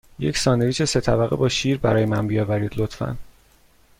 یک ساندویچ سه طبقه با شیر برای من بیاورید، لطفاً.